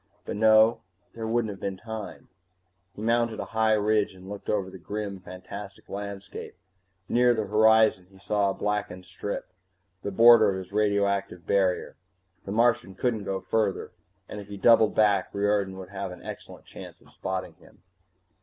But no, there wouldn't have been time He mounted a high ridge and looked over the grim, fantastic landscape. Near the horizon he saw a blackened strip, the border of his radioactive barrier. The Martian couldn't go further, and if he doubled back Riordan would have an excellent chance of spotting him.